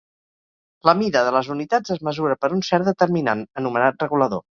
La mida de les unitats es mesura per un cert determinant, anomenat regulador.